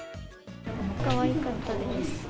かわいかったです。